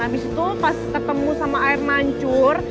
habis itu pas ketemu sama air mancur